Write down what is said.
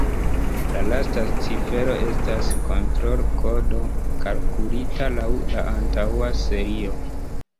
La lasta cifero estas kontrol-kodo kalkulita laŭ la antaŭa serio.